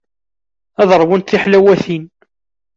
Ad ṛwunt tiḥlawatin.